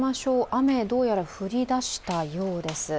雨、どうやら降りだしたようです。